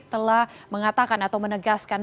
telah mengatakan atau menegaskan